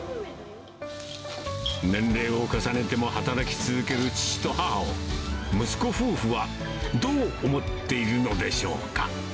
年齢を重ねても働き続ける父と母を、息子夫婦はどう思っているのでしょうか。